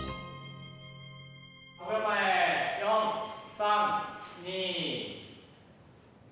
・５秒前４３２。